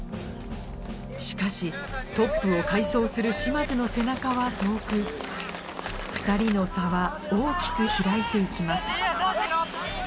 しかしトップを快走する嶋津の背中は遠く２人の差は大きく開いて行きます